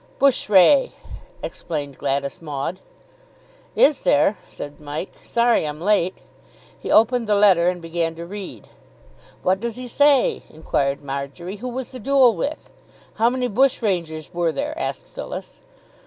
"Bush ray," explained Gladys Maud. "Is there?" said Mike. "Sorry I'm late." He opened the letter and began to read. "What does he say?" inquired Marjory. "Who was the duel with?" "How many bushrangers were there?" asked Phyllis.